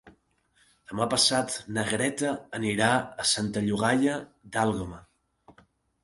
Demà passat na Greta anirà a Santa Llogaia d'Àlguema.